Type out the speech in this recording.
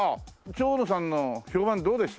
長野さんの評判どうでした？